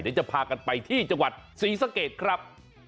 เดี๋ยวจะพากันไปที่จังหวัดศรีสะเกดครับ